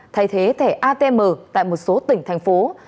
thay thế thẻ atm tại một số tỉnh thành phố